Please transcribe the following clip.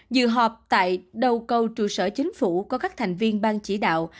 dự họp tại đầu cầu trụ sở chính phủ có các thành viên ban chỉ đạo